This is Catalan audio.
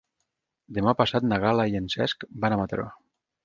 Demà passat na Gal·la i en Cesc van a Mataró.